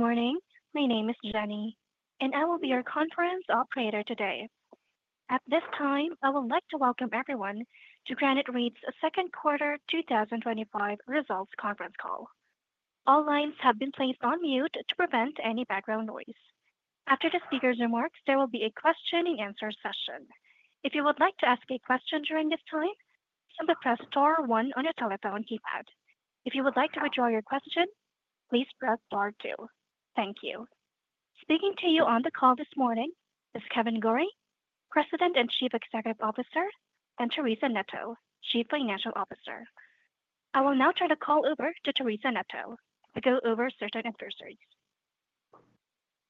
Good morning. My name is Jenny, and I will be your conference operator today. At this time, I would like to welcome everyone to Granite REIT's Second Quarter 2025 Results Conference Call. All lines have been placed on mute to prevent any background noise. After the speakers' remarks, there will be a question and answer session. If you would like to ask a question during this time, simply press star one on your telephone keypad. If you would like to withdraw your question, please press star two. Thank you. Speaking to you on the call this morning is Kevan Gorrie, President and Chief Executive Officer, and Teresa Neto, Chief Financial Officer. I will now turn the call over to Teresa Neto.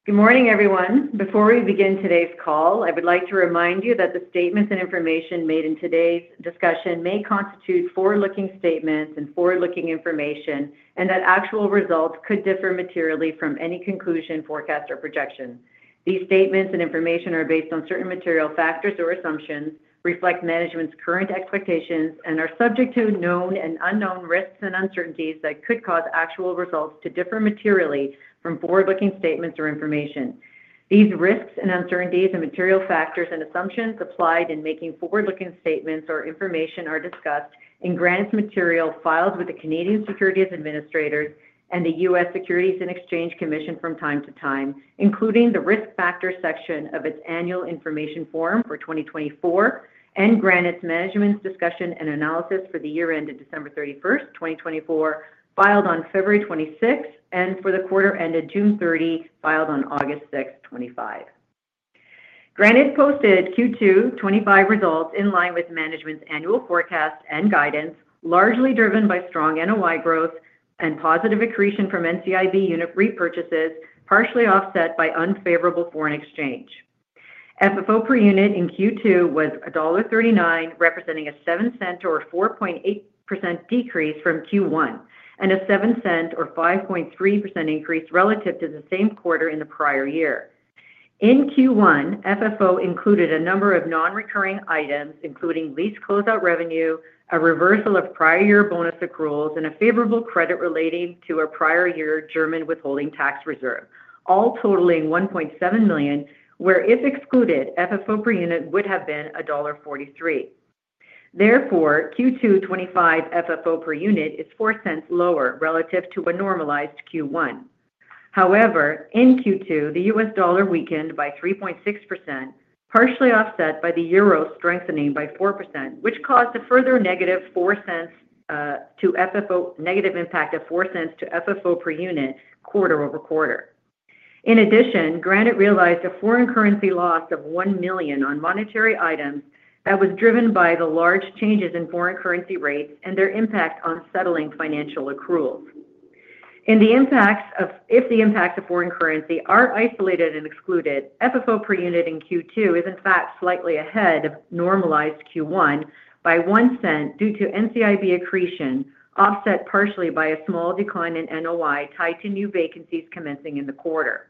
Good morning, everyone. Before we begin today's call, I would like to remind you that the statements and information made in today's discussion may constitute forward-looking statements and forward-looking information, and that actual results could differ materially from any conclusion, forecast, or projection. These statements and information are based on certain material factors or assumptions, reflect management's current expectations, and are subject to known and unknown risks and uncertainties that could cause actual results to differ materially from forward-looking statements or information. These risks and uncertainties and material factors and assumptions applied in making forward-looking statements or information are discussed in Granite's material filed with the Canadian Securities Administrators and the U.S. Securities and Exchange Commission from time to time, including the risk factors section of its annual information form for 2024 and Granite's management's discussion and analysis for the year ended December 31st, 2024, filed on February 26th, and for the quarter ended June 30, filed on August 6th, 2025. Granite's posted Q2 2025 results in line with management's annual forecast and guidance, largely driven by strong NOI growth and positive accretion from NCIB unit repurchases, partially offset by unfavorable foreign exchange. FFO per unit in Q2 was dollar 1.39, representing a 0.07 or 4.8% decrease from Q1 and a 0.07 or 5.3% increase relative to the same quarter in the prior year. In Q1, FFO included a number of non-recurring items, including lease closeout revenue, a reversal of prior year bonus accruals, and a favorable credit relating to a prior year German withholding tax reserve, all totaling 1.7 million, where if excluded, FFO per unit would have been dollar 1.43. Therefore, Q2 2025 FFO per unit is 0.04 lower relative to a normalized Q1. However, in Q2, the US dollar weakened by 3.6%, partially offset by the euro strengthening by 4%, which caused a further negative 0.04 to FFO, negative impact of 0.04 to FFO per unit quarter over quarter. In addition, Granite realized a foreign currency loss of 1 million on monetary items that was driven by the large changes in foreign currency rates and their impact on settling financial accruals. If the impacts of foreign currency are isolated and excluded, FFO per unit in Q2 is in fact slightly ahead of normalized Q1 by 0.01 due to NCIB accretion, offset partially by a small decline in NOI tied to new vacancies commencing in the quarter.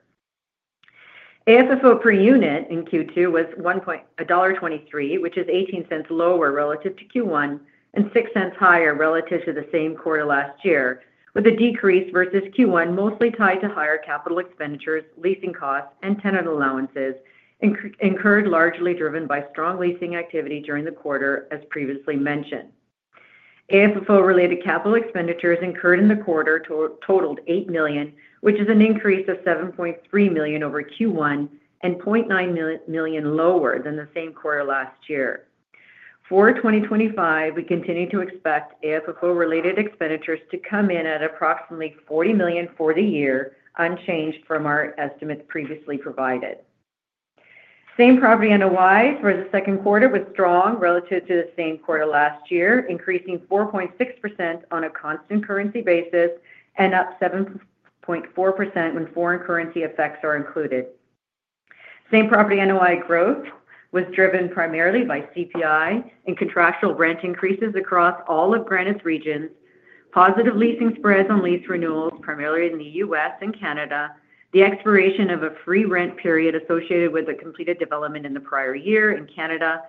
AFFO per unit in Q2 was 1.23 dollar, which is 0.18 lower relative to Q1 and 0.06 higher relative to the same quarter last year, with a decrease versus Q1 mostly tied to higher capital expenditures, leasing costs, and tenant allowances incurred, largely driven by strong leasing activity during the quarter, as previously mentioned. AFFO-related capital expenditures incurred in the quarter totaled 8 million, which is an increase of 7.3 million over Q1 and 0.9 million lower than the same quarter last year. For 2025, we continue to expect AFFO-related expenditures to come in at approximately 40 million for the year, unchanged from our estimates previously provided. Same property NOI for the second quarter was strong relative to the same quarter last year, increasing 4.6% on a constant currency basis and up 7.4% when foreign currency effects are included. Same property NOI growth was driven primarily by CPI and contractual rent increases across all of Granite regions, positive leasing spreads on lease renewals, primarily in the U.S. and Canada, the expiration of a free rent period associated with a completed development in the prior year in Canada,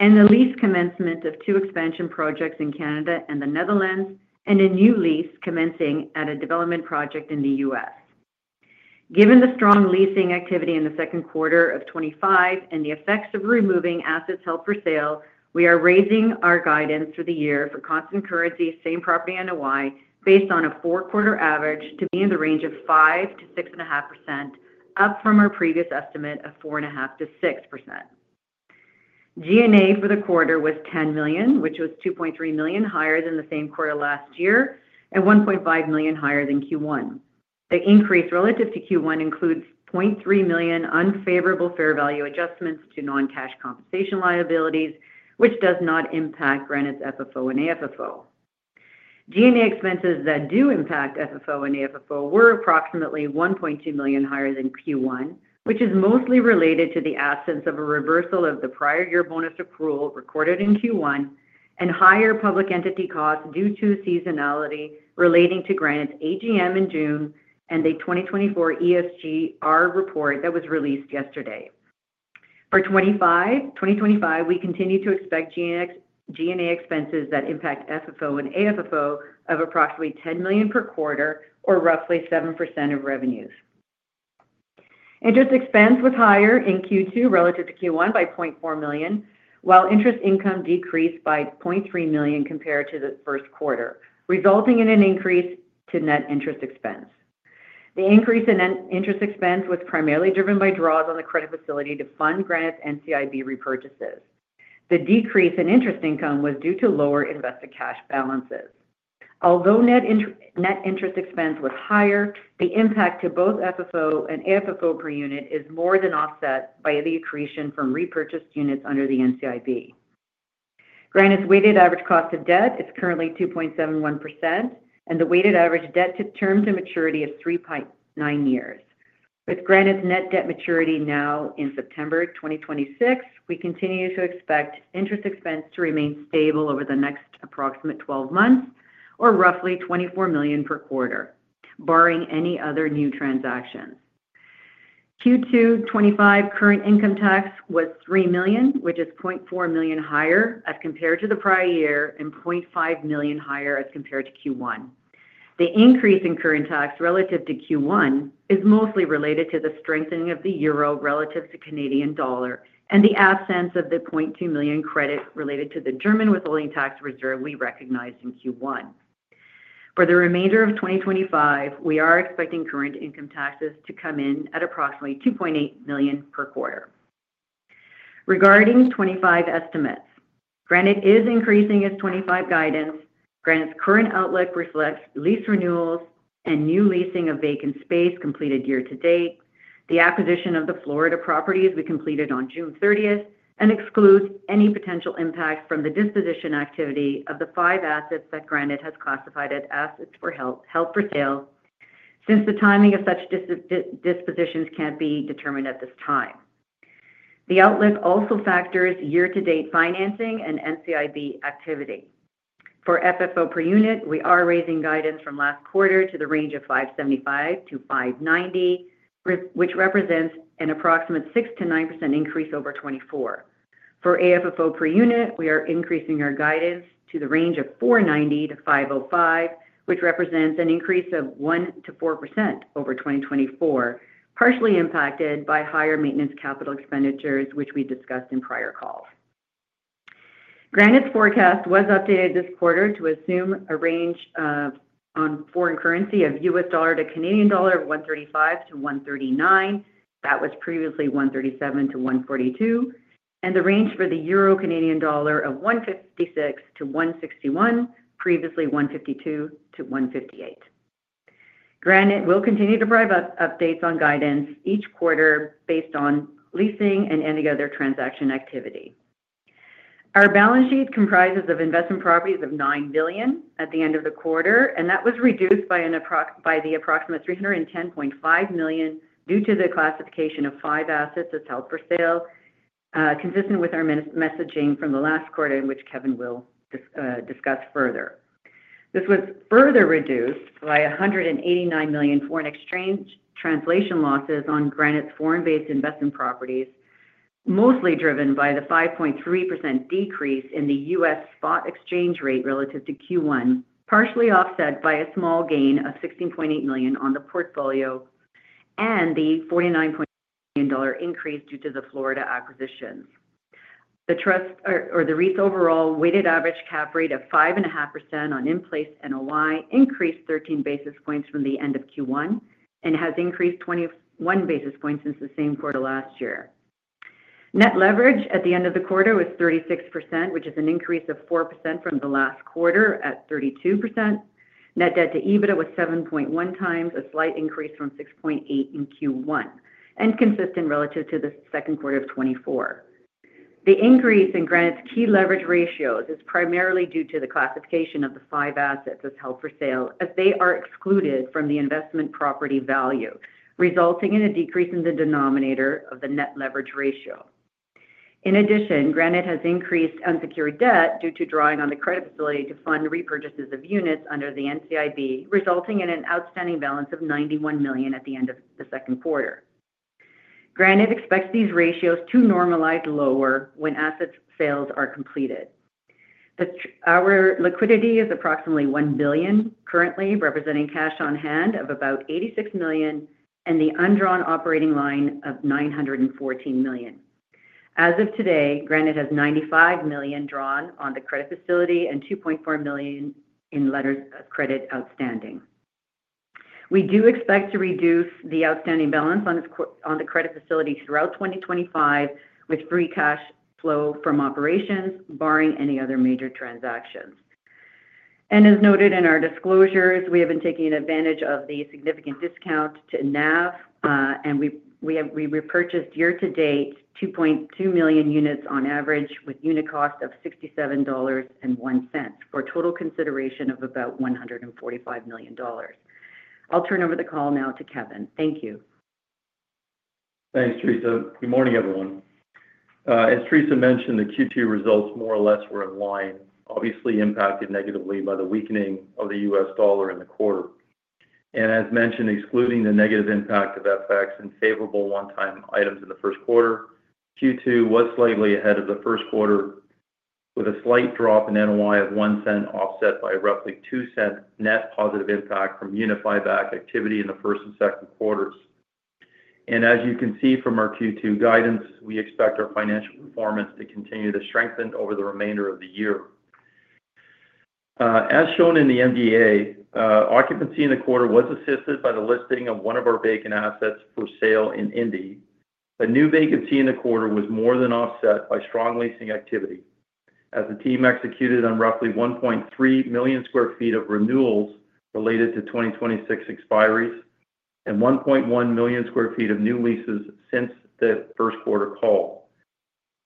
and the lease commencement of two expansion projects in Canada and the Netherlands, and a new lease commencing at a development project in the U.S. Given the strong leasing activity in the second quarter of 2025 and the effects of removing assets held for sale, we are raising our guidance for the year for constant currency same property NOI, based on a four quarter average, to be in the range of 5%-6.5%, up from our previous estimate of 4.5%-6%. G&A for the quarter was 10 million, which was 2.3 million higher than the same quarter last year and 1.5 million higher than Q1. The increase relative to Q1 includes 0.3 million unfavorable fair value adjustments to non-cash compensation liabilities, which does not impact Granite's FFO and AFFO. G&A expenses that do impact FFO and AFFO were approximately 1.2 million higher than Q1, which is mostly related to the absence of a reversal of the prior year bonus accrual recorded in Q1 and higher public entity costs due to seasonality relating to Granite's AGM in June and a 2024 ESG report that was released yesterday. For 2025, we continue to expect G&A expenses that impact FFO and AFFO of approximately 10 million per quarter or roughly 7% of revenues. Interest expense was higher in Q2 relative to Q1 by 0.4 million, while interest income decreased by 0.3 million compared to the first quarter, resulting in an increase to net interest expense. The increase in net interest expense was primarily driven by draws on the credit facility to fund Granite's NCIB repurchases. The decrease in interest income was due to lower invested cash balances. Although net interest expense was higher, the impact to both FFO and AFFO per unit is more than offset by the accretion from repurchased units under the NCIB. Granite's weighted average cost of debt is currently 2.71%, and the weighted average debt term to maturity is 3.9 years. With Granite's net debt maturity now in September 2026, we continue to expect interest expense to remain stable over the next approximate 12 months or roughly $24 million per quarter, barring any other new transactions. Q2 2025 current income tax was 3 million, which is 0.4 million higher as compared to the prior year and 0.5 million higher as compared to Q1. The increase in current tax relative to Q1 is mostly related to the strengthening of the euro relative to the Canadian dollar and the absence of the 0.2 million credit related to the German withholding tax reserve we recognized in Q1. For the remainder of 2025, we are expecting current income taxes to come in at approximately 2.8 million per quarter. Regarding 2025 estimates, Granite is increasing its 2025 guidance. Granite's current outlook reflects lease renewals and new leasing of vacant space completed year to date, the acquisition of the Florida properties we completed on June 30th, and excludes any potential impact from the disposition activity of the five assets that Granite has classified as assets held for sale since the timing of such dispositions can't be determined at this time. The outlook also factors year-to-date financing and NCIB activity. For FFO per unit, we are raising guidance from last quarter to the range of 5.75-5.90, which represents an approximate 6%-9% increase over 2024. For AFFO per unit, we are increasing our guidance to the range of 4.90-5.05, which represents an increase of 1%-4% over 2024, partially impacted by higher maintenance capital expenditures, which we discussed in prior calls. Granite's forecast was updated this quarter to assume a range of foreign currency of US dollar to Canadian dollar of 1.35-1.39. That was previously 1.37-1.42, and the range for the euro to Canadian dollar of 1.56-1.61, previously CAD 1.52-CAD 1.58. Granite will continue to provide updates on guidance each quarter based on leasing and any other transaction activity. Our balance sheet comprises investment properties of 9 billion at the end of the quarter, and that was reduced by the approximate 310.5 million due to the classification of five assets as held for sale, consistent with our messaging from the last quarter in which Kevan will discuss further. This was further reduced by 189 million foreign exchange translation losses on Granite's foreign-based investment properties, mostly driven by the 5.3% decrease in the U.S. spot exchange rate relative to Q1, partially offset by a small gain of 16.8 million on the portfolio and the 49.5 million dollar increase due to the Florida acquisitions. The REIT's overall weighted average cap rate of 5.5% on in-place NOI increased 13 basis points from the end of Q1 and has increased 21 basis points since the same quarter last year. Net leverage at the end of the quarter was 36%, which is an increase of 4% from the last quarter at 32%. Net debt to EBITDA was 7.1x, a slight increase from 6.8x in Q1 and consistent relative to the second quarter of 2024. The increase in Granite's key leverage ratios is primarily due to the classification of the five assets as held for sale as they are excluded from the investment property value, resulting in a decrease in the denominator of the net leverage ratio. In addition, Granite has increased unsecured debt due to drawing on the credit facility to fund repurchases of units under the NCIB, resulting in an outstanding balance of 91 million at the end of the second quarter. Granite expects these ratios to normalize lower when asset sales are completed. Our liquidity is approximately 1 billion currently, representing cash on hand of about 86 million and the undrawn operating line of 914 million. As of today, Granite has 95 million drawn on the credit facility and 2.4 million in letters of credit outstanding. We do expect to reduce the outstanding balance on the credit facility throughout 2025 with free cash flow from operations, barring any other major transactions. As noted in our disclosures, we have been taking advantage of the significant discount to NAV, and we repurchased year to date 2.2 million units on average with unit cost of 67.01 dollars for a total consideration of about 145 million dollars. I'll turn over the call now to Kevan. Thank you. Thanks, Teresa. Good morning, everyone. As Teresa mentioned, the Q2 results more or less were in line, obviously impacted negatively by the weakening of the US dollar in the quarter. As mentioned, excluding the negative impact of FX and favorable one-time items in the first quarter, Q2 was slightly ahead of the first quarter with a slight drop in NOI of 0.01, offset by roughly 0.02 net positive impact from unit buyback activity in the first and second quarters. As you can see from our Q2 guidance, we expect our financial performance to continue to strengthen over the remainder of the year. As shown in the MD&A, occupancy in the quarter was assisted by the listing of one of our vacant assets for sale in Indy. A new vacancy in the quarter was more than offset by strong leasing activity, as the team executed on roughly 1.3 million sq ft of renewals related to 2026 expiry and 1.1 million sq ft of new leases since the first quarter call.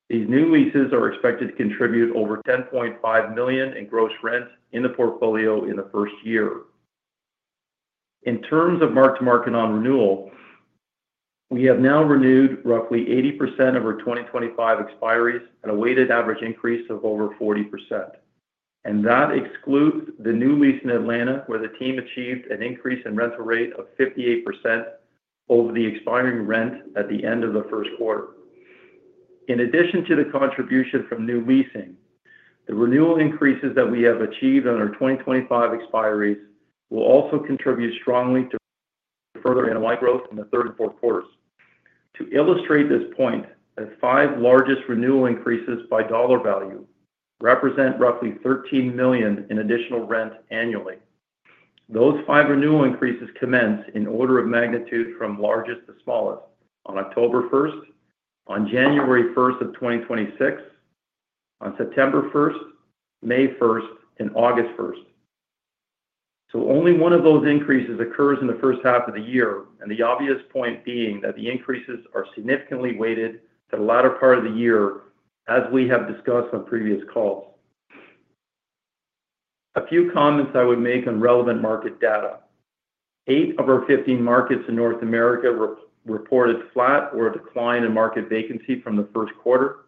These new leases are expected to contribute over 10.5 million in gross rent in the portfolio in the first year. In terms of mark-to-market on renewal, we have now renewed roughly 80% of our 2025 expiry at a weighted average increase of over 40%. That excludes the new lease in Atlanta, where the team achieved an increase in rental rate of 58% over the expiring rent at the end of the first quarter. In addition to the contribution from new leasing, the renewal increases that we have achieved on our 2025 expiry will also contribute strongly to further NOI growth in the third and fourth quarters. To illustrate this point, the five largest renewal increases by dollar value represent roughly 13 million in additional rent annually. Those five renewal increases commence in order of magnitude from largest to smallest on October 1st, on January 1 of 2026, on September 1st, May 1st, and August 1st. Only one of those increases occurs in the first half of the year, and the obvious point being that the increases are significantly weighted to the latter part of the year, as we have discussed on previous calls. A few comments I would make on relevant market data. Eight of our 15 markets in North America reported flat or a decline in market vacancy from the first quarter,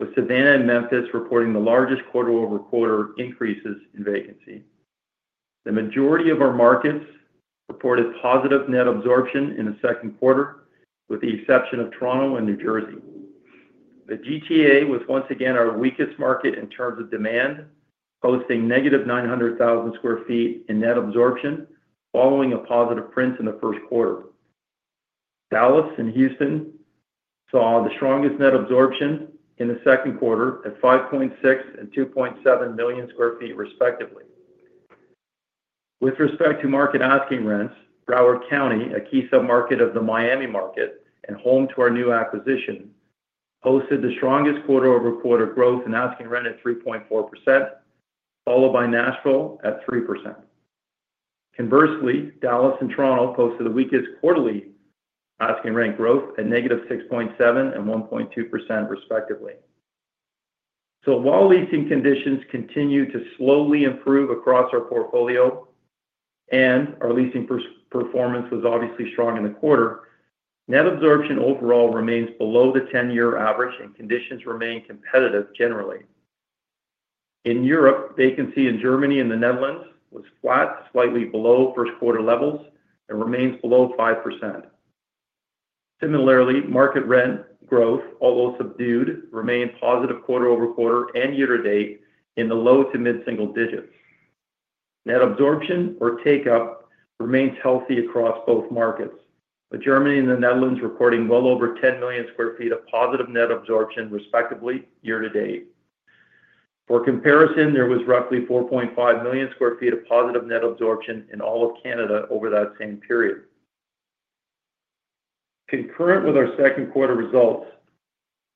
with Savannah and Memphis reporting the largest quarter-over-quarter increases in vacancy. The majority of our markets reported positive net absorption in the second quarter, with the exception of Toronto and New Jersey. The GTA was once again our weakest market in terms of demand, posting -900,000 sq ft in net absorption following a positive print in the first quarter. Dallas and Houston saw the strongest net absorption in the second quarter at 5.6 and 2.7 million sq ft, respectively. With respect to market asking rents, Broward County, a key submarket of the Miami market and home to our new acquisition, hosted the strongest quarter over quarter growth in asking rent at 3.4%, followed by Nashville at 3%. Conversely, Dallas and Toronto posted the weakest quarterly asking rent growth at negative 6.7% and 1.2%, respectively. While leasing conditions continue to slowly improve across our portfolio and our leasing performance was obviously strong in the quarter, net absorption overall remains below the 10-year average and conditions remain competitive generally. In Europe, vacancy in Germany and the Netherlands was flat, slightly below first quarter levels and remains below 5%. Similarly, market rent growth, although subdued, remained positive quarter over quarter and year to date in the low to mid-single digits. Net absorption or takeup remains healthy across both markets, with Germany and the Netherlands recording well over 10 million sq ft of positive net absorption, respectively, year to date. For comparison, there was roughly 4.5 million sq ft of positive net absorption in all of Canada over that same period. Concurrent with our second quarter results,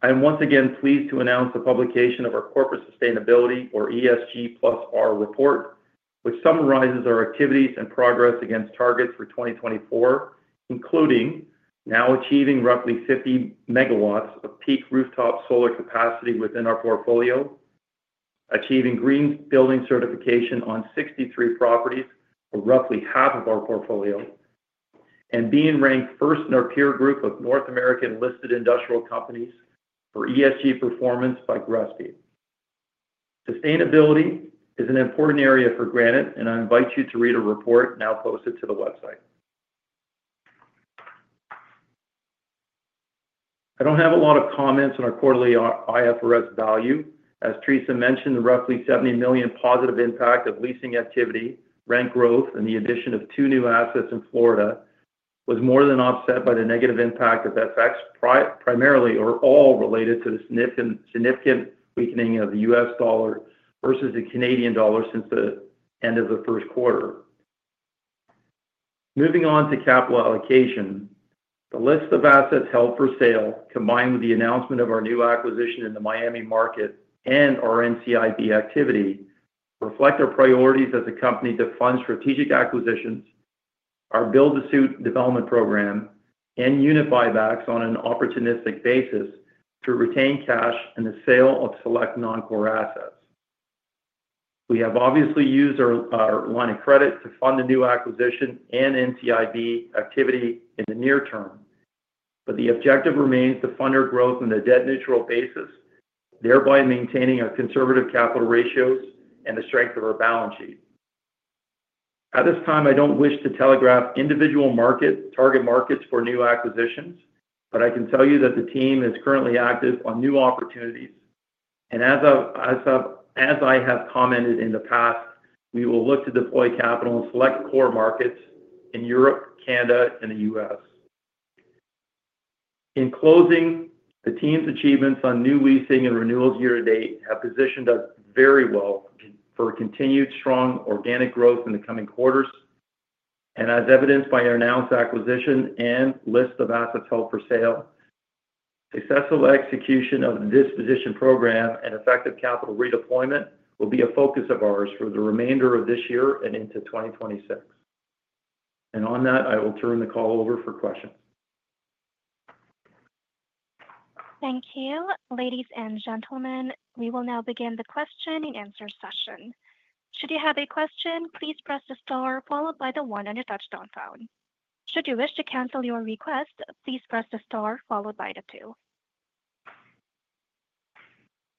I am once again pleased to announce the publication of our corporate sustainability or ESG plus R report, which summarizes our activities and progress against targets for 2024, including now achieving roughly 50 MW of peak rooftop solar capacity within our portfolio, achieving green building certification on 63 properties or roughly half of our portfolio, and being ranked first in our peer group of North American listed industrial companies for ESG performance by GRESB. Sustainability is an important area for Granite, and I invite you to read a report now posted to the website. I don't have a lot of comments on our quarterly IFRS value. As Teresa mentioned, the roughly 70 million positive impact of leasing activity, rent growth, and the addition of two new assets in Florida was more than offset by the negative impact of FX, primarily or all related to the significant weakening of the US dollar versus the Canadian dollar since the end of the first quarter. Moving on to capital allocation, the list of assets held for sale, combined with the announcement of our new acquisition in the Miami market and our NCIB activity, reflect our priorities as a company to fund strategic acquisitions, our build-to-suit development program, and unit buybacks on an opportunistic basis to retain cash and the sale of select non-core assets. We have obviously used our line of credit to fund the new acquisition and NCIB activity in the near term, but the objective remains to fund our growth on a debt-neutral basis, thereby maintaining our conservative capital ratios and the strength of our balance sheet. At this time, I don't wish to telegraph individual target markets for new acquisitions, but I can tell you that the team is currently active on new opportunities. As I have commented in the past, we will look to deploy capital in select core markets in Europe, Canada, and the U.S. In closing, the team's achievements on new leasing and renewals year to date have positioned us very well for continued strong organic growth in the coming quarters. As evidenced by our announced acquisition and list of assets held for sale, successful execution of the disposition program and effective capital redeployment will be a focus of ours for the remainder of this year and into 2026. On that, I will turn the call over for questions. Thank you, ladies and gentlemen. We will now begin the question and answer session. Should you have a question, please press the star followed by the one on your touch-tone phone. Should you wish to cancel your request, please press the star followed by the two.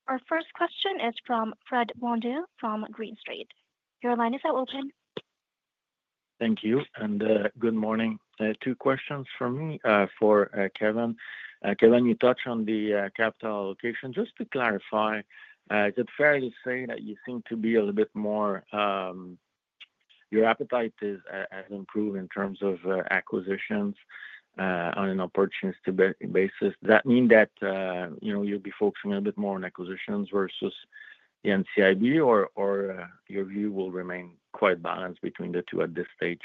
Our first question is from Fred Bondu from GreenState. Your line is now open. Thank you. Good morning. Two questions from me for Kevan. Kevan, you touched on the capital allocation. Just to clarify, is it fair to say that you seem to be a little bit more, your appetite has improved in terms of acquisitions on an opportunistic basis? Does that mean that you'll be focusing a little bit more on acquisitions versus the NCIB, or your view will remain quite balanced between the two at this stage?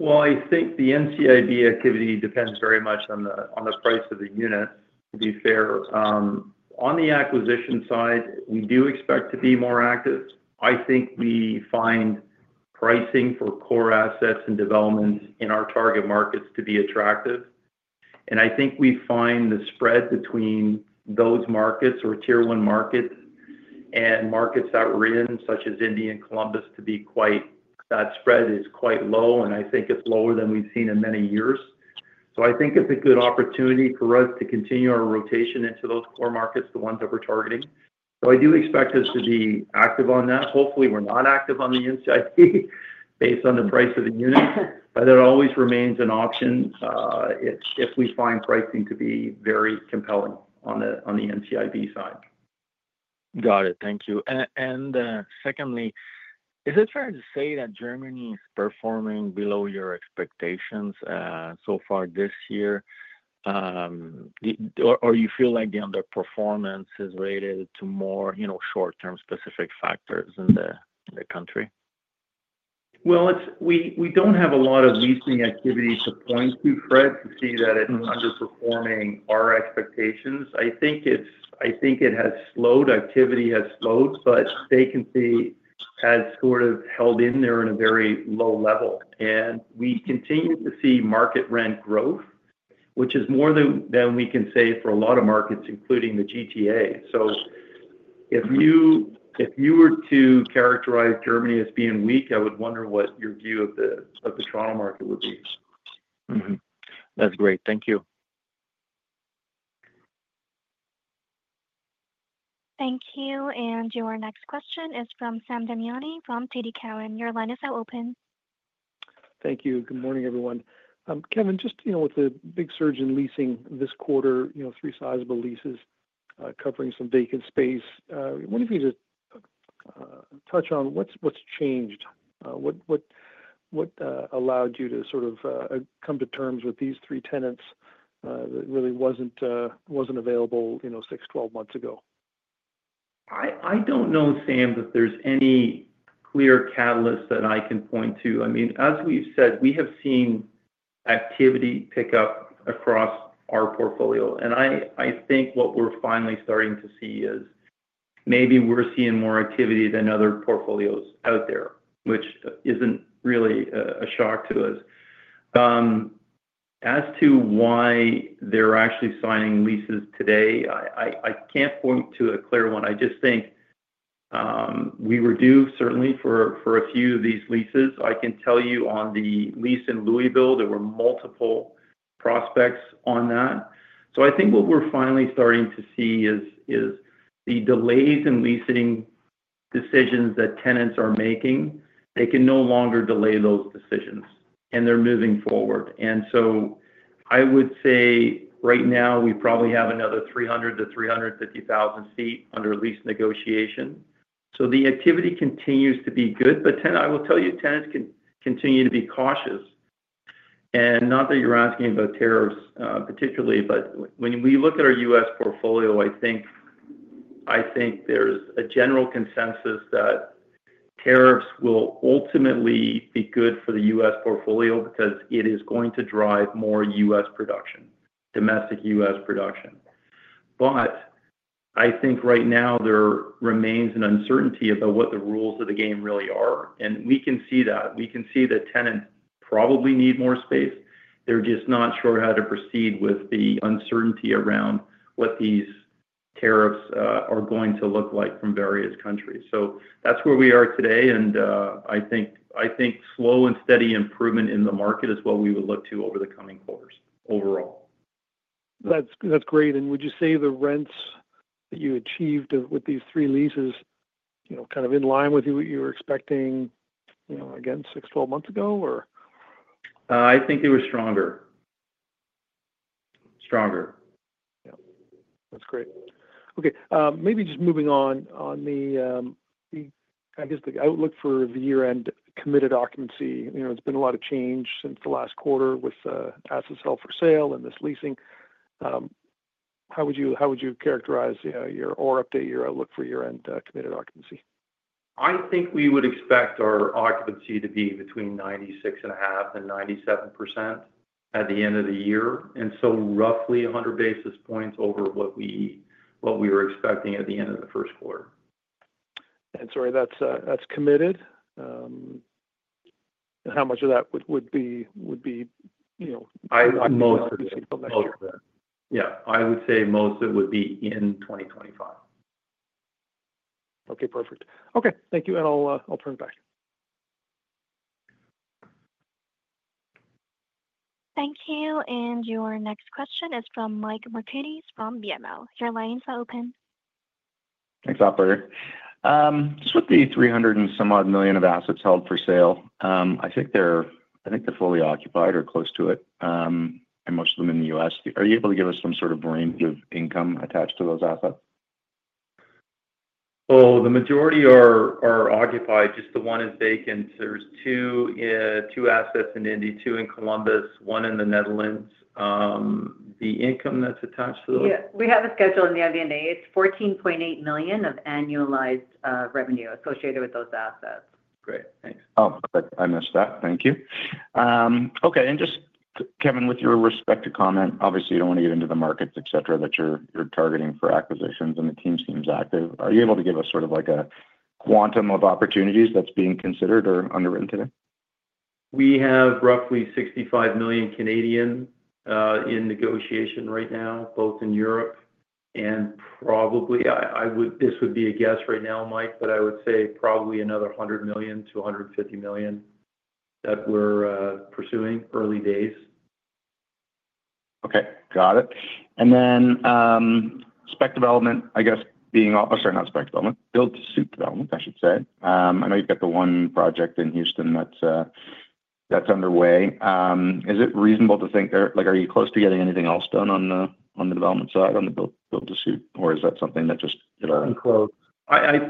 I think the NCIB activity depends very much on the price of the unit, to be fair. On the acquisition side, we do expect to be more active. I think we find pricing for core assets and developments in our target markets to be attractive. I think we find the spread between those markets or tier I markets and markets that we're in, such as Indy and Columbus, to be quite, that spread is quite low. I think it's lower than we've seen in many years. I think it's a good opportunity for us to continue our rotation into those core markets, the ones that we're targeting. I do expect us to be active on that. Hopefully, we're not active on the NCIB based on the price of the unit, but that always remains an option if we find pricing to be very compelling on the NCIB side. Got it. Thank you. Secondly, is it fair to say that Germany is performing below your expectations so far this year, or do you feel like the underperformance is related to more short-term specific factors in the country? We don't have a lot of leasing activities to point to, Fred, to see that it's underperforming our expectations. I think it has slowed, activity has slowed, but vacancy has sort of held in there on a very low level. We continue to see market rent growth, which is more than we can say for a lot of markets, including the GTA. If you were to characterize Germany as being weak, I would wonder what your view of the Toronto market would be. That's great. Thank you. Thank you. Your next question is from Sam Damiani from TD Securities. Your line is now open. Thank you. Good morning, everyone. Kevan, with the big surge in leasing this quarter, three sizable leases covering some vacant space, I wonder if you could just touch on what's changed, what allowed you to sort of come to terms with these three tenants that really wasn't available six, 12 months ago? I don't know, Sam, that there's any clear catalyst that I can point to. I mean, as we've said, we have seen activity pick up across our portfolio. I think what we're finally starting to see is maybe we're seeing more activity than other portfolios out there, which isn't really a shock to us. As to why they're actually signing leases today, I can't point to a clear one. I just think we were due certainly for a few of these leases. I can tell you on the lease in Louisville, there were multiple prospects on that. I think what we're finally starting to see is the delays in leasing decisions that tenants are making. They can no longer delay those decisions, and they're moving forward. I would say right now we probably have another 300,000 ft-350,000 ft under lease negotiation. The activity continues to be good. I will tell you, tenants continue to be cautious. Not that you're asking about tariffs particularly, but when we look at our U.S. portfolio, I think there's a general consensus that tariffs will ultimately be good for the U.S. portfolio because it is going to drive more U.S. production, domestic U.S. production. I think right now there remains an uncertainty about what the rules of the game really are. We can see that. We can see that tenants probably need more space. They're just not sure how to proceed with the uncertainty around what these tariffs are going to look like from various countries. That's where we are today. I think slow and steady improvement in the market is what we would look to over the coming quarters overall. That's great. Would you say the rents that you achieved with these three leases are kind of in line with what you were expecting, you know, again, six, 12 months ago? I think they were stronger. That's great. Okay. Maybe just moving on, I guess, the outlook for the year-end committed occupancy. You know, it's been a lot of change since the last quarter with assets held for sale and this leasing. How would you characterize or update your outlook for year-end committed occupancy? I think we would expect our occupancy to be between 96.5% and 97% at the end of the year, roughly 100 basis points over what we were expecting at the end of the first quarter. That's committed. How much of that would be, you know, I'm not sure if you can tell me? Most of it, yeah. I would say most of it would be in 2025. Okay. Perfect. Thank you. I'll turn it back. Thank you. Your next question is from Michael Markidis from BMO Capital Markets. Your line is now open. Thanks a lot, Berger. Just with the 300 million and some odd million of assets held for sale, I think they're fully occupied or close to it, and most of them in the U.S. Are you able to give us some sort of range of income attached to those assets? The majority are occupied. Just the one is vacant. There are two assets in Indy, two in Columbus, one in the Netherlands. The income that's attached to those? Yeah. We have a schedule in the FNA. It's 14.8 million of annualized revenue associated with those assets. Great. Thank you. Okay. Kevan, with your respect to comment, obviously, you don't want to get into the markets, etc., that you're targeting for acquisitions, and the team seems active. Are you able to give us sort of like a quantum of opportunities that's being considered or underwritten today? We have roughly 65 million Canadian in negotiation right now, both in Europe and probably, I would, this would be a guess right now, Mike, but I would say probably another 100 million-150 million that we're pursuing early days. Okay. Got it. Spec development, I guess, being all, oh, sorry, not spec development, build-to-suit development, I should say. I know you've got the one project in Houston that's underway. Is it reasonable to think there, like, are you close to getting anything else done on the development side on the build-to-suit, or is that something that just? Nothing close.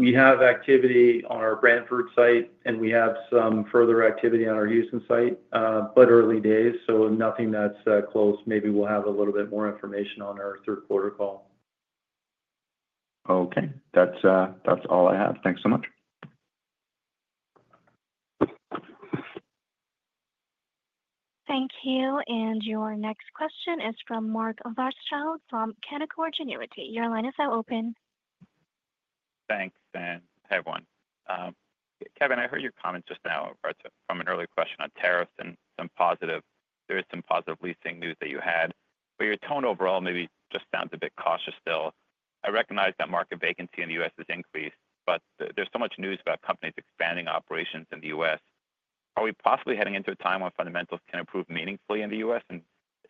We have activity on our Brantford site, and we have some further activity on our Houston site, but early days. Nothing that's close. Maybe we'll have a little bit more information on our third quarter call. Okay, that's all I have. Thanks so much. Thank you. Your next question is from Mark Larschfeld from Canaccord Genuity. Your line is now open. Thanks, Sam. Hey, everyone. Kevan, I heard your comments just now from an early question on tariffs and some positive, there is some positive leasing news that you had. Your tone overall maybe just sounds a bit cautious still. I recognize that market vacancy in the U.S. has increased, but there's so much news about companies expanding operations in the U.S. Are we possibly heading into a time when fundamentals can improve meaningfully in the U.S.? Is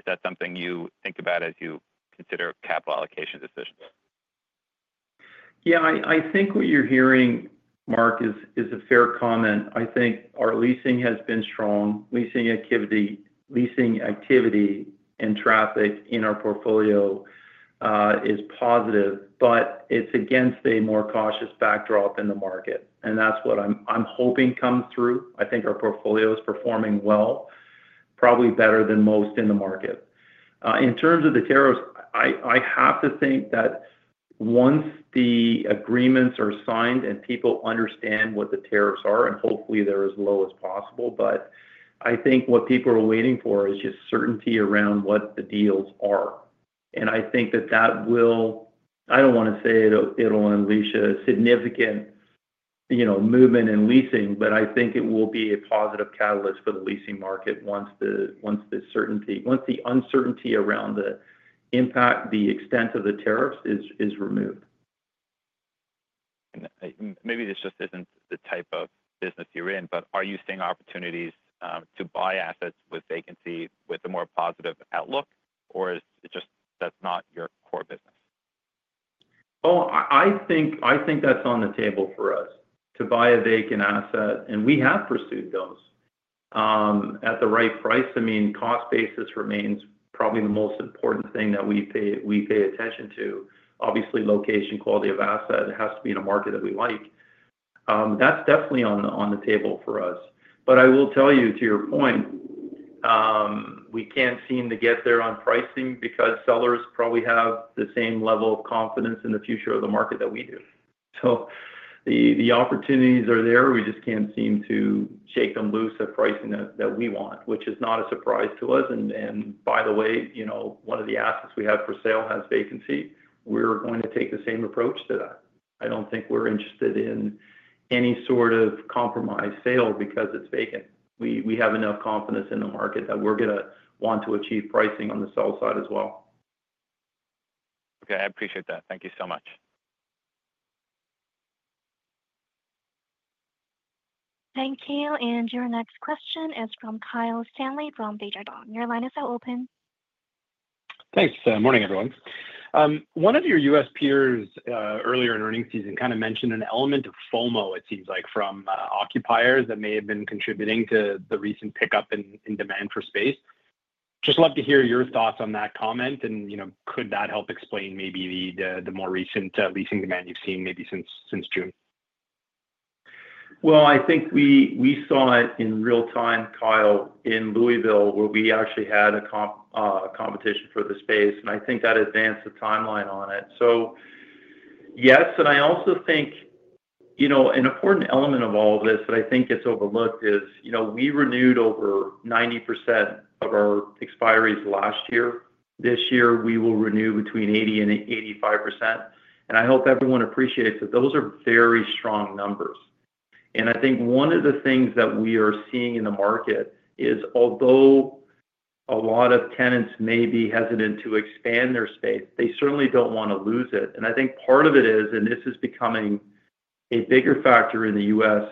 that something you think about as you consider capital allocation decisions? Yeah. I think what you're hearing, Mark, is a fair comment. I think our leasing has been strong. Leasing activity and traffic in our portfolio is positive, but it's against a more cautious backdrop in the market. That's what I'm hoping comes through. I think our portfolio is performing well, probably better than most in the market. In terms of the tariffs, I have to think that once the agreements are signed and people understand what the tariffs are, and hopefully they're as low as possible, I think what people are waiting for is just certainty around what the deals are. I think that will, I don't want to say it'll unleash a significant, you know, movement in leasing, but I think it will be a positive catalyst for the leasing market once the uncertainty around the impact, the extent of the tariffs is removed. Are you seeing opportunities to buy assets with vacancies with a more positive outlook, or is it just that's not your core business? Oh, I think that's on the table for us to buy a vacant asset, and we have pursued those at the right price. I mean, cost basis remains probably the most important thing that we pay attention to. Obviously, location, quality of asset, it has to be in a market that we like. That's definitely on the table for us. I will tell you, to your point, we can't seem to get there on pricing because sellers probably have the same level of confidence in the future of the market that we do. The opportunities are there. We just can't seem to shake them loose at pricing that we want, which is not a surprise to us. By the way, you know, one of the assets we have for sale has vacancy. We're going to take the same approach to that. I don't think we're interested in any sort of compromised sale because it's vacant. We have enough confidence in the market that we're going to want to achieve pricing on the sell side as well. Okay, I appreciate that. Thank you so much. Thank you. Your next question is from Kyle Stanley from Desjardins. Your line is now open. Thanks. Morning, everyone. One of your U.S. peers earlier in earnings season mentioned an element of FOMO, it seems like, from occupiers that may have been contributing to the recent pickup in demand for space. I'd love to hear your thoughts on that comment. Could that help explain maybe the more recent leasing demand you've seen maybe since June? I think we saw it in real time, Kyle, in Louisville, where we actually had a competition for the space. I think that advanced the timeline on it. Yes, I also think an important element of all of this that gets overlooked is, you know, we renewed over 90% of our expiry last year. This year, we will renew between 80% and 85%. I hope everyone appreciates that those are very strong numbers. I think one of the things that we are seeing in the market is, although a lot of tenants may be hesitant to expand their space, they certainly don't want to lose it. I think part of it is, and this is becoming a bigger factor in the U.S.,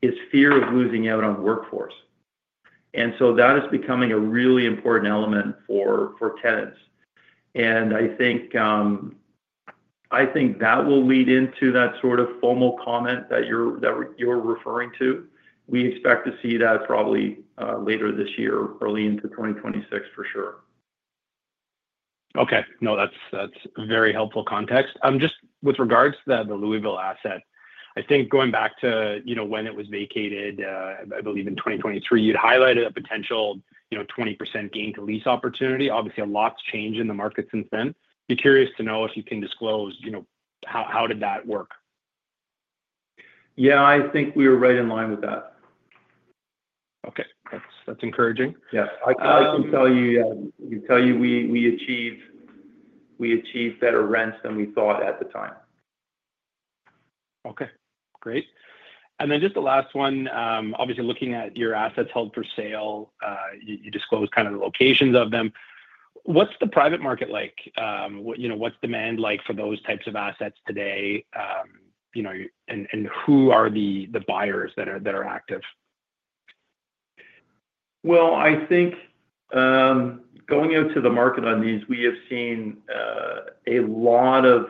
is fear of losing out on workforce. That is becoming a really important element for tenants. I think that will lead into that sort of FOMO comment that you're referring to. We expect to see that probably later this year, early into 2026, for sure. Okay. No, that's very helpful context. Just with regards to the Louisville asset, I think going back to when it was vacated, I believe in 2023, you'd highlighted a potential 20% gain-to-lease opportunity. Obviously, a lot's changed in the market since then. Be curious to know if you can disclose how did that work? Yeah, I think we were right in line with that. Okay, that's encouraging. I can tell you, we achieved better rents than we thought at the time. Okay. Great. Just the last one, obviously looking at your assets held for sale, you disclosed kind of the locations of them. What's the private market like? What's demand like for those types of assets today? You know, and who are the buyers that are active? I think going out to the market on these, we have seen a lot of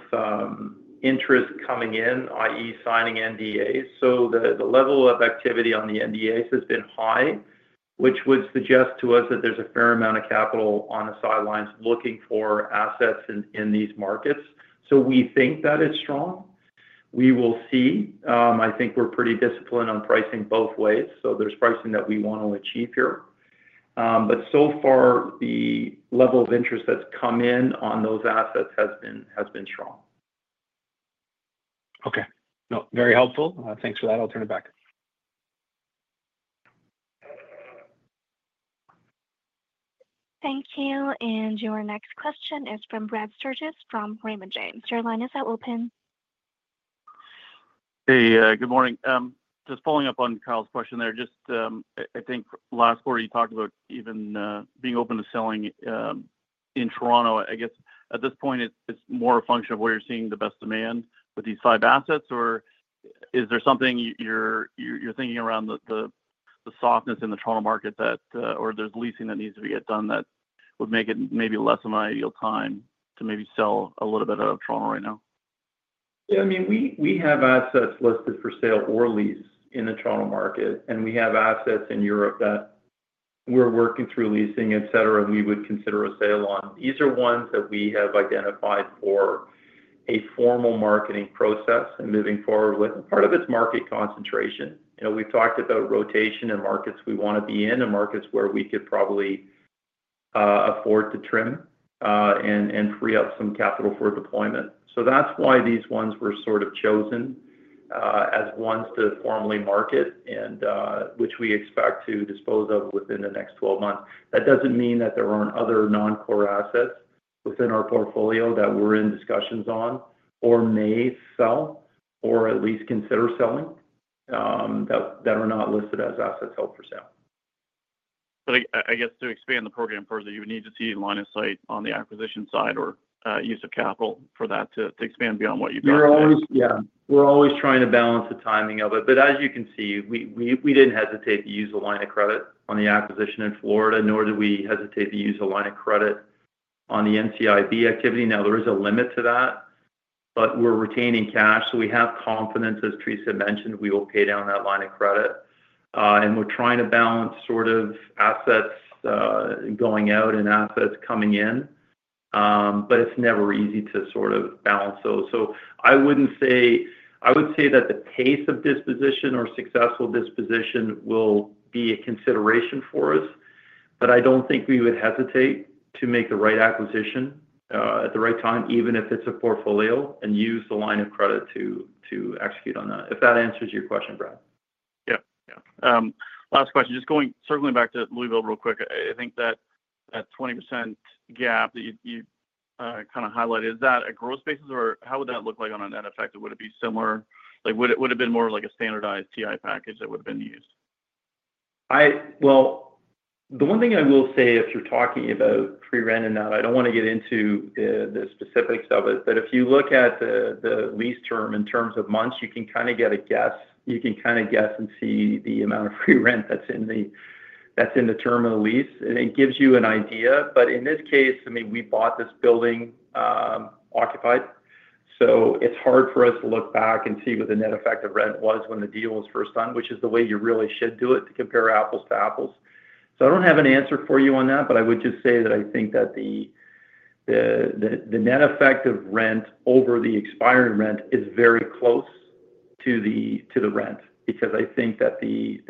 interest coming in, i.e., signing NDAs. The level of activity on the NDAs has been high, which would suggest to us that there's a fair amount of capital on the sidelines looking for assets in these markets. We think that it's strong. We will see. I think we're pretty disciplined on pricing both ways. There's pricing that we want to achieve here. So far, the level of interest that's come in on those assets has been strong. Okay, no, very helpful. Thanks for that. I'll turn it back. Thank you. Your next question is from Brad Sturges from Raymond James. Your line is now open. Hey, good morning. Just following up on Kyle's question there. I think last quarter you talked about even being open to selling in Toronto. At this point, it's more a function of where you're seeing the best demand with these five assets, or is there something you're thinking around the softness in the Toronto market, or there's leasing that needs to be done that would make it maybe less of an ideal time to maybe sell a little bit out of Toronto right now? Yeah, I mean, we have assets listed for sale or lease in the Toronto market, and we have assets in Europe that we're working through leasing, etc., and we would consider a sale on. These are ones that we have identified for a formal marketing process and moving forward with. Part of it's market concentration. You know, we've talked about rotation and markets we want to be in and markets where we could probably afford to trim and free up some capital for deployment. That's why these ones were sort of chosen as ones to formally market, and which we expect to dispose of within the next 12 months. That doesn't mean that there aren't other non-core assets within our portfolio that we're in discussions on or may sell or at least consider selling that are not listed as assets held for sale. I guess to expand the program further, you would need to see line of sight on the acquisition side or use of capital for that to expand beyond what you said. Yeah. We're always trying to balance the timing of it. As you can see, we didn't hesitate to use a line of credit on the acquisition in Florida, nor did we hesitate to use a line of credit on the NCIB activity. There is a limit to that, but we're retaining cash. We have confidence, as Teresa mentioned, we will pay down that line of credit. We're trying to balance assets going out and assets coming in. It's never easy to balance those. I would say that the pace of disposition or successful disposition will be a consideration for us, but I don't think we would hesitate to make the right acquisition at the right time, even if it's a portfolio, and use the line of credit to execute on that. If that answers your question, Brad. Yeah. Last question. Just circling back to Louisville real quick, I think that that 20% gap that you kind of highlighted, is that a growth basis, or how would that look like on an NOI? Would it be similar? Like, would it have been more like a standardized TI package that would have been used? If you're talking about free rent and that, I don't want to get into the specifics of it, but if you look at the lease term in terms of months, you can kind of guess and see the amount of free rent that's in the term of the lease. It gives you an idea. In this case, I mean, we bought this building occupied. It's hard for us to look back and see what the net effect of rent was when the deal was first done, which is the way you really should do it to compare apples to apples. I don't have an answer for you on that, but I would just say that I think that the net effect of rent over the expiring rent is very close to the rent because I think that the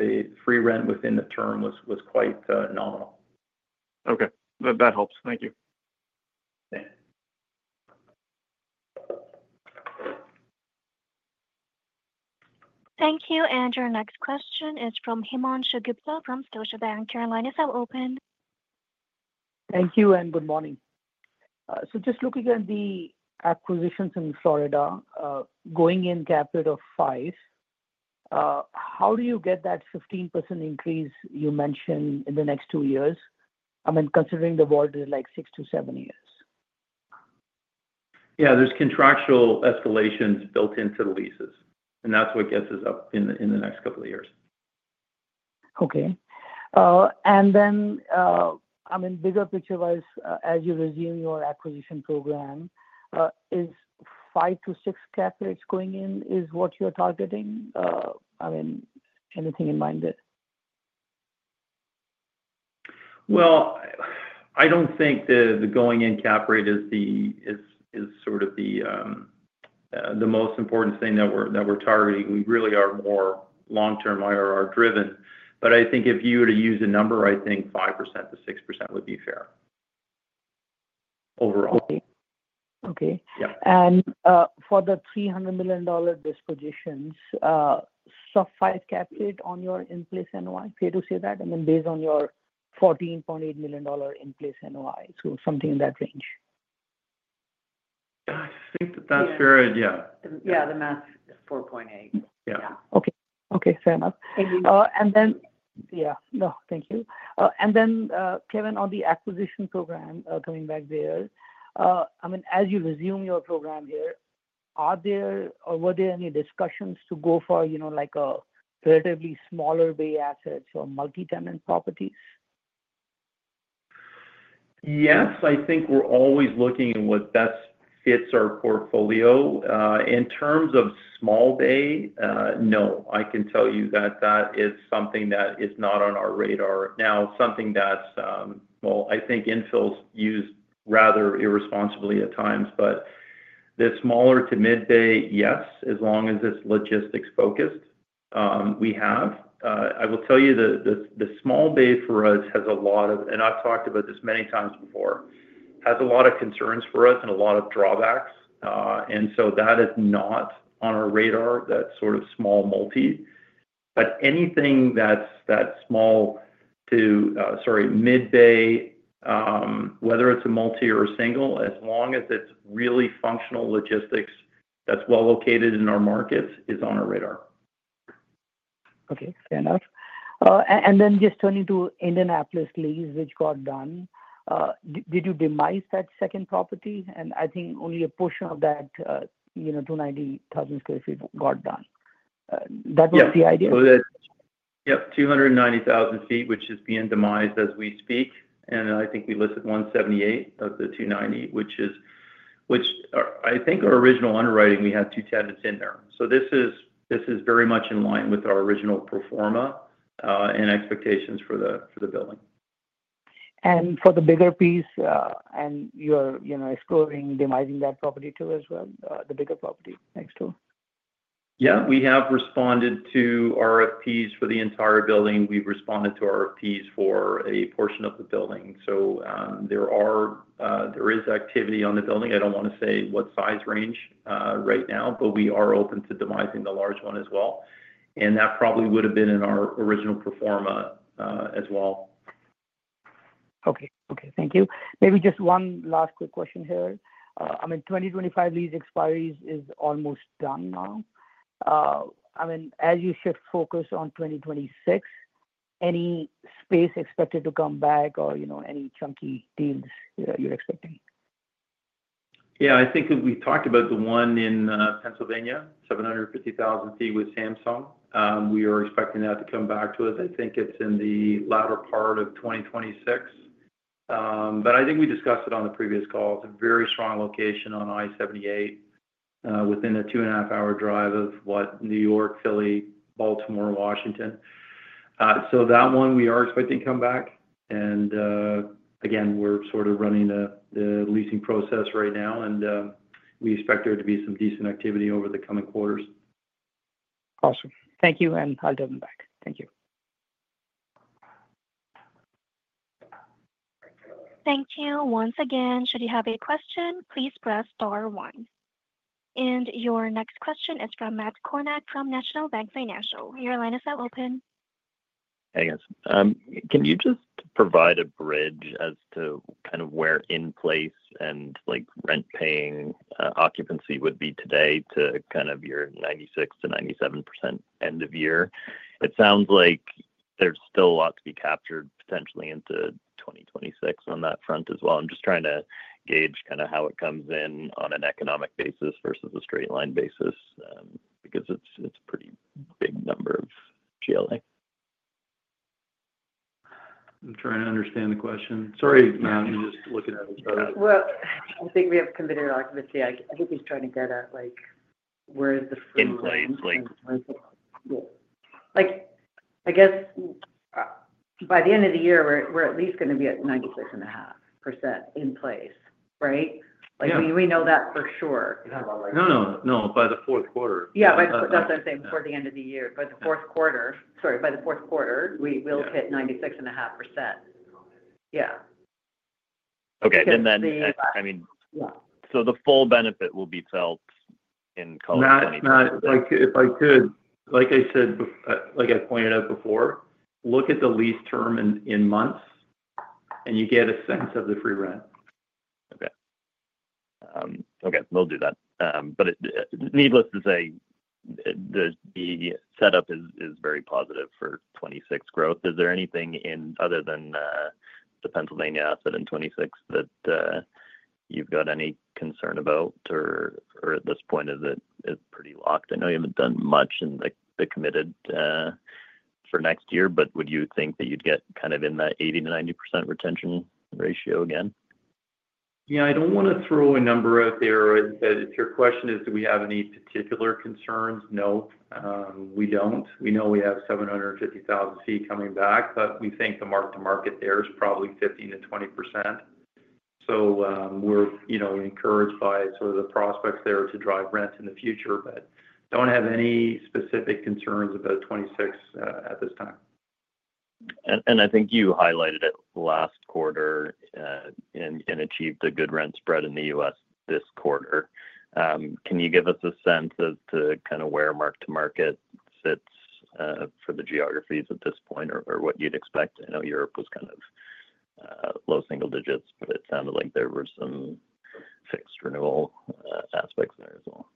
free rent within the term was quite nominal. Okay, that helps. Thank you. Thank you. Your next question is from Himanshu Gupta from Scotiabank. Your line is now open. Thank you, and good morning. Just looking at the acquisitions in Florida, going in capped at a 5%, how do you get that 15% increase you mentioned in the next two years? I mean, considering the world is like six to seven years. Yeah, there's contractual rent escalations built into the leases. That's what gets us up in the next couple of years. Okay. Bigger picture-wise, as you resume your acquisition program, is 5%-6% cap rates going in what you're targeting? Anything in mind there? I don't think the going in cap rate is sort of the most important thing that we're targeting. We really are more long-term IRR driven. If you were to use a number, I think 5%-6% would be fair overall. Okay. Yeah. For the 300 million dollar dispositions, sub-5% cap rate on your in-place NOI, fair to say that? I mean, based on your 14.8 million dollar in-place NOI, so something in that range. I think that's fair. Yeah. Yeah, the math is 4.8%. Yeah. Okay. Fair enough. Thank you. Kevin, on the acquisition program, coming back there, as you resume your program here, are there or were there any discussions to go for, you know, like a relatively smaller bay assets or multi-tenant properties? Yes, I think we're always looking at what best fits our portfolio. In terms of small bay, no, I can tell you that that is something that is not on our radar. I think infill is used rather irresponsibly at times, but the smaller to mid-bay, yes, as long as it's logistics-focused, we have. I will tell you that the small bay for us has a lot of, and I've talked about this many times before, has a lot of concerns for us and a lot of drawbacks. That is not on our radar, that sort of small multi. Anything that's that small to, sorry, mid-bay, whether it's a multi or a single, as long as it's really functional logistics, that's well located in our markets is on our radar. Okay. Fair enough. Just turning to the Indianapolis lease, which got done, did you demise that second property? I think only a portion of that 290,000 sq ft got done. That was the idea? Yeah. That's 290,000 ft, which is being demised as we speak. I think we listed 178 of the 290, which I think our original underwriting had two tenants in there. This is very much in line with our original pro forma and expectations for the building. For the bigger piece, you're exploring demising that property too as well, the bigger property next door? Yeah, we have responded to RFPs for the entire building. We've responded to RFPs for a portion of the building. There is activity on the building. I don't want to say what size range right now, but we are open to demising the large one as well. That probably would have been in our original pro forma as well. Okay. Thank you. Maybe just one last quick question here. I mean, 2025 lease expiry is almost done now. As you shift focus on 2026, any space expected to come back or, you know, any chunky deals you're expecting? Yeah, I think we talked about the one in Pennsylvania, 750,000 ft with Samsung. We are expecting that to come back to us. I think it's in the latter part of 2026. I think we discussed it on the previous call. It's a very strong location on I-78 within a two-and-a-half-hour drive of New York, Philly, Baltimore, and Washington. That one we are expecting to come back. We're sort of running the leasing process right now, and we expect there to be some decent activity over the coming quarters. Awesome. Thank you. I'll turn it back. Thank you. Thank you. Once again, should you have a question, please press star one. Your next question is from Matt Kornack from National Bank Financial. Your line is now open. Hey, guys. Can you just provide a bridge as to kind of where in-place and like rent-paying occupancy would be today to kind of your 96%-97% end of year? It sounds like there's still a lot to be captured potentially into 2026 on that front as well. I'm just trying to gauge kind of how it comes in on an economic basis versus a straight-line basis because it's a pretty big number of GLA. I'm trying to understand the question. Sorry, you're just looking at it. I think we have committed our occupancy. I think he's trying to get at like where the. In place. I guess by the end of the year, we're at least going to be at 96.5% in place, right? Like we know that for sure. No, by the fourth quarter. By the fourth quarter, that's what I'm saying, before the end of the year, we will hit 96.5%. Okay, yeah, the full benefit will be felt in 2026. Like I pointed out before, look at the lease term in months, and you get a sense of the free rent. Okay. We'll do that. Needless to say, the setup is very positive for 2026 growth. Is there anything other than the Pennsylvania asset in 2026 that you've got any concern about, or at this point, is it pretty locked? I know you haven't done much in the committed for next year, but would you think that you'd get kind of in that 80%-90% retention ratio again? Yeah, I don't want to throw a number out there. If your question is, do we have any particular concerns? No, we don't. We know we have 750,000 ft coming back, but we think the mark-to-market there is probably 15%-20%. We're encouraged by the prospects there to drive rent in the future, but don't have any specific concerns about 2026 at this time. I think you highlighted it last quarter and achieved a good rent spread in the U.S. this quarter. Can you give us a sense as to kind of where mark-to-market sits for the geographies at this point or what you'd expect? I know Europe was kind of low single digits, but it sounded like there were some fixed renewal aspects there as well.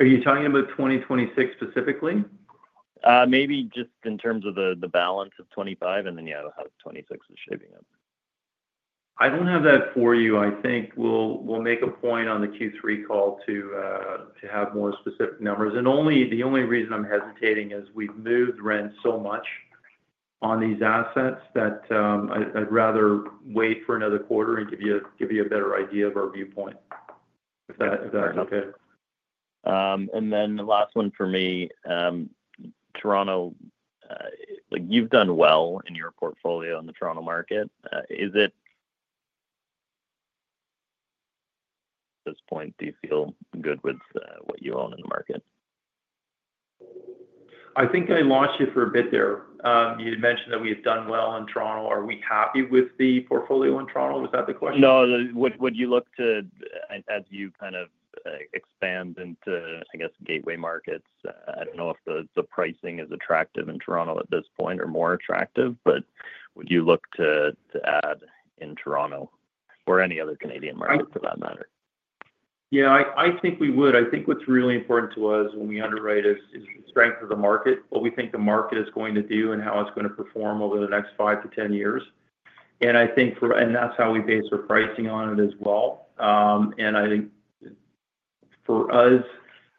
Are you talking about 2026 specifically? Maybe just in terms of the balance of 2025, and then yeah, how 2026 is shaping up. I don't have that for you. I think we'll make a point on the Q3 call to have more specific numbers. The only reason I'm hesitating is we've moved rent so much on these assets that I'd rather wait for another quarter and give you a better idea of our viewpoint. Okay. The last one for me, Toronto, like you've done well in your portfolio in the Toronto market. Is it at this point, do you feel good with what you own in the market? I think I lost you for a bit there. You mentioned that we've done well in Toronto. Are we happy with the portfolio in Toronto? Was that the question? No. Would you look to, as you kind of expand into, I guess, gateway markets? I don't know if the pricing is attractive in Toronto at this point or more attractive, but would you look to add in Toronto or any other Canadian market for that matter? Yeah, I think we would. I think what's really important to us when we underwrite is the strength of the market, what we think the market is going to do, and how it's going to perform over the next five to 10 years. I think that's how we base our pricing on it as well. I think for us,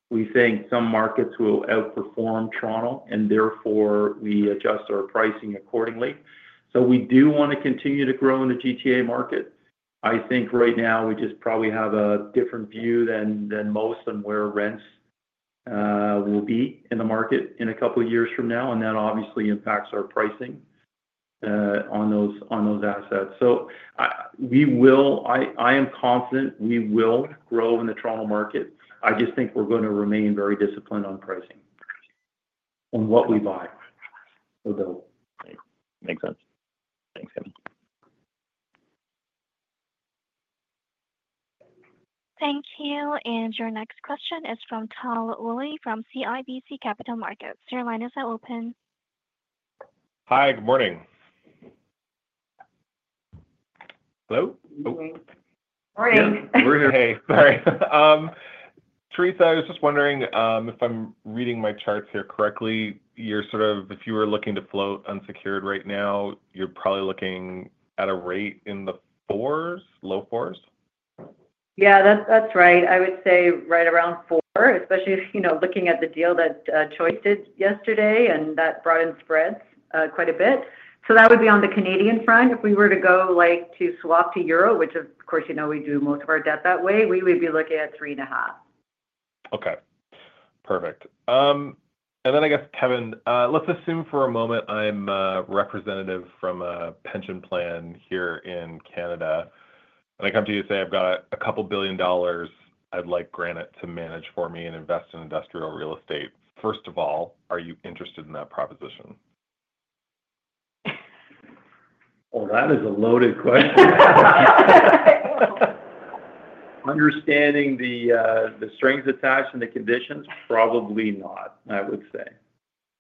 we think some markets will outperform Toronto, and therefore, we adjust our pricing accordingly. We do want to continue to grow in the GTA market. I think right now we just probably have a different view than most on where rents will be in the market in a couple of years from now. That obviously impacts our pricing on those assets. I am confident we will grow in the Toronto market. I just think we're going to remain very disciplined on pricing, on what we buy. Makes sense. Thank you. Your next question is from Tom Woolley from CIBC Capital Markets. Your line is now open. Hi, good morning. Hello? Morning. We're here. Sorry. Teresa, I was just wondering, if I'm reading my charts here correctly, you're sort of, if you were looking to float unsecured right now, you're probably looking at a rate in the fours, low 4%. Yeah, that's right. I would say right around 4%, especially if you know looking at the deal that Choice did yesterday, and that brought in spreads quite a bit. That would be on the Canadian front. If we were to go to swap to euro, which of course, you know, we do most of our debt that way, we would be looking at 3.5%. Okay. Perfect. I guess, Kevan, let's assume for a moment I'm a representative from a pension plan here in Canada. I come to you and say, "I've got a couple billion dollars I'd like Granite to manage for me and invest in industrial real estate." First of all, are you interested in that proposition? That is a loaded question. Understanding the strings attached and the conditions, probably not, I would say.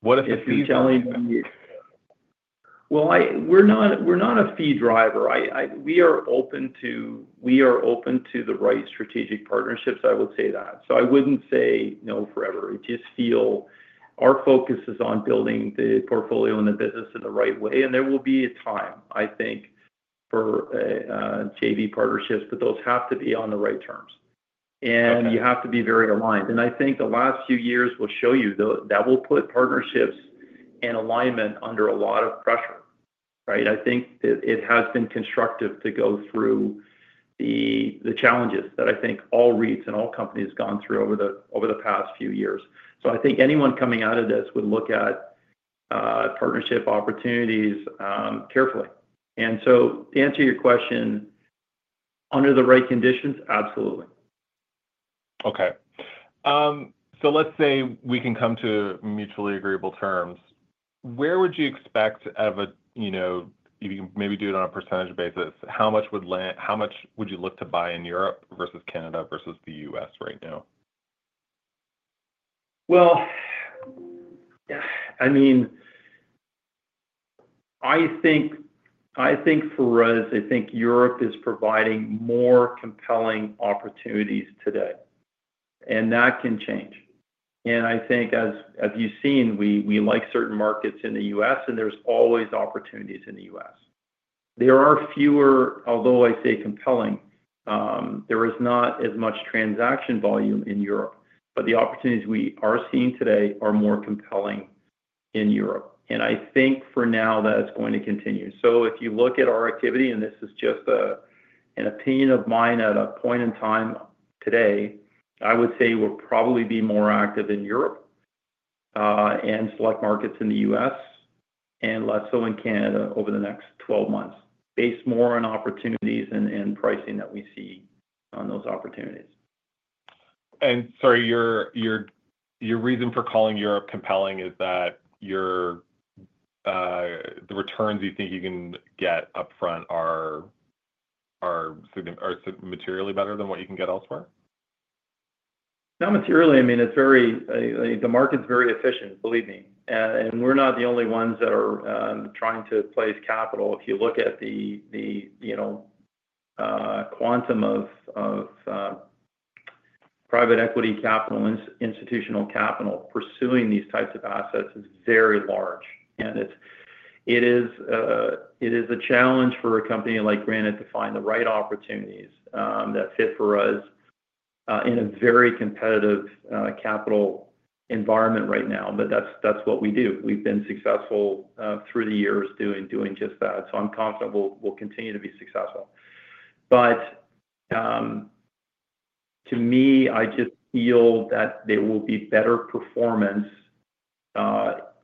What if it's detailing? We are not a fee driver. We are open to the right strategic partnerships, I would say that. I would not say no forever. I just feel our focus is on building the portfolio and the business in the right way. There will be a time, I think, for JV partnerships, but those have to be on the right terms. You have to be very aligned. I think the last few years will show you that partnerships in alignment are under a lot of pressure, right? It has been constructive to go through the challenges that I think all REITs and all companies have gone through over the past few years. I think anyone coming out of this would look at partnership opportunities carefully. To answer your question, under the right conditions, absolutely. Okay. Let's say we can come to mutually agreeable terms. Where would you expect, if you can maybe do it on a percentage basis, how much would you look to buy in Europe versus Canada versus the U.S. right now? I think for us, I think Europe is providing more compelling opportunities today. That can change. I think, as you've seen, we like certain markets in the U.S., and there's always opportunities in the U.S. There are fewer, although I say compelling, there is not as much transaction volume in Europe. The opportunities we are seeing today are more compelling in Europe. I think for now, that's going to continue. If you look at our activity, and this is just an opinion of mine at a point in time today, I would say we'll probably be more active in Europe and select markets in the U.S. and less so in Canada over the next 12 months, based more on opportunities and pricing that we see on those opportunities. Your reason for calling Europe compelling is that the returns you think you can get upfront are materially better than what you can get elsewhere? Not materially. I mean, the market's very efficient, believe me. We're not the only ones that are trying to place capital. If you look at the quantum of private equity capital and institutional capital pursuing these types of assets, it is very large. It is a challenge for a company like Granite Real Estate Investment Trust to find the right opportunities that fit for us in a very competitive capital environment right now. That's what we do. We've been successful through the years doing just that. I'm confident we'll continue to be successful. To me, I just feel that there will be better performance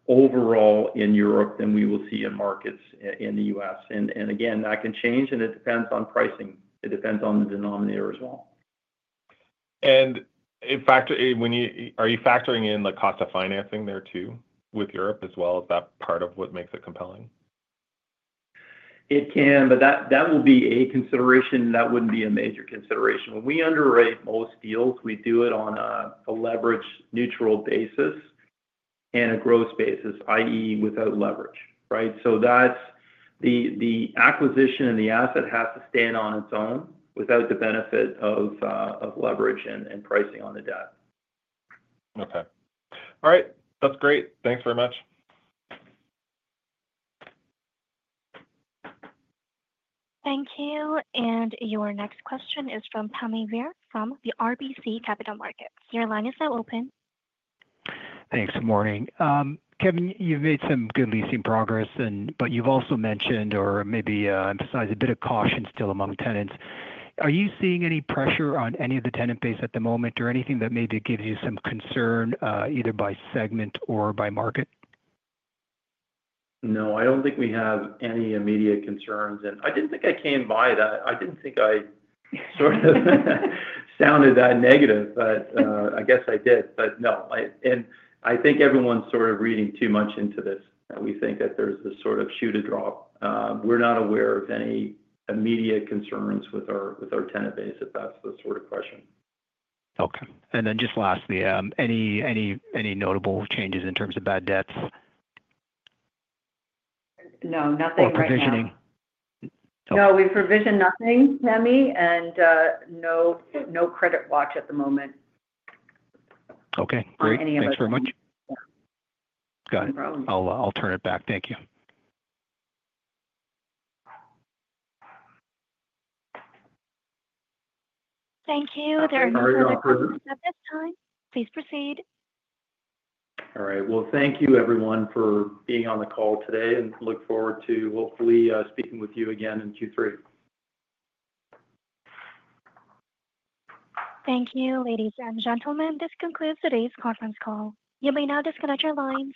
overall in Europe than we will see in markets in the U.S. That can change, and it depends on pricing. It depends on the denominator as well. Are you factoring in the cost of financing there too with Europe as well? Is that part of what makes it compelling? It can, but that will be a consideration. That wouldn't be a major consideration. When we underwrite most deals, we do it on a leverage neutral basis and a gross basis, i.e., without leverage, right? That's the acquisition and the asset has to stand on its own without the benefit of leverage and pricing on the debt. Okay. All right. That's great. Thanks very much. Thank you. Your next question is from Tommy Giang from RBC Capital Markets. Your line is now open. Thanks. Good morning. Kevan, you've made some good leasing progress, but you've also mentioned or maybe emphasized a bit of caution still among tenants. Are you seeing any pressure on any of the tenant base at the moment or anything that maybe gives you some concern either by segment or by market? No, I don't think we have any immediate concerns. I didn't think I came by that. I didn't think I sort of sounded that negative, but I guess I did. I think everyone's sort of reading too much into this. We think that there's this sort of shoe to drop. We're not aware of any immediate concerns with our tenant base if that's the sort of question. Okay. Lastly, any notable changes in terms of bad debts? No, nothing right now. No. No, we provision nothing, Tommy, and no credit watch at the moment. Okay. Great. Any other. Thanks very much. Yeah. Got it. No problem. I'll turn it back. Thank you. Thank you. There are no further questions at this time. Please proceed. All right. Thank you, everyone, for being on the call today. I look forward to hopefully speaking with you again in Q3. Thank you, ladies and gentlemen. This concludes today's conference call. You may now disconnect your line.